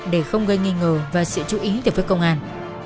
để không gây nghi ngờ và sự chú ý từ phía công an